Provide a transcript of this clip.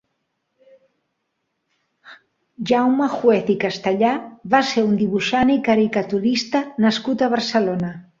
Jaume Juez i Castellà va ser un dibuixant i caricaturista nascut a Barcelona.